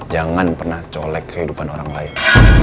jangan pernah colek kehidupan orang lain